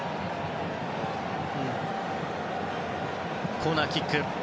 コーナーキック。